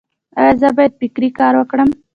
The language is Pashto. ایا زه باید فکري کار وکړم؟